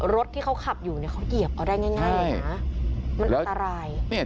รถที่เขาขับอยู่เนี่ยเขาเหยียบเอาได้ง่ายเลยนะมันอันตราย